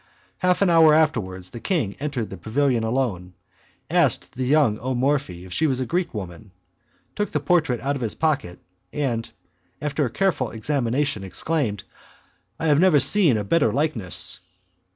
Half an hour afterwards the king entered the pavilion alone, asked the young O Morphi if she was a Greek woman, took the portrait out of his pocket, and after a careful examination exclaimed, "I have never seen a better likeness."